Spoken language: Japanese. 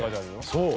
そう。